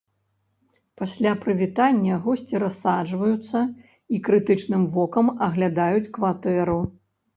Пасля прывітання госці рассаджваюцца і крытычным вокам аглядаюць кватэру.